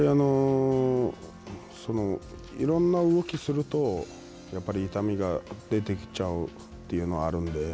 いろんな動きをするとやっぱり痛みが出てきちゃうというのはあるんで。